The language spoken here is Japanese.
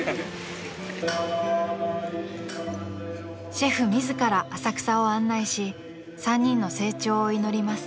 ［シェフ自ら浅草を案内し３人の成長を祈ります］